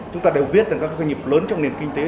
chúng ta đều biết rằng các doanh nghiệp lớn trong nền kinh tế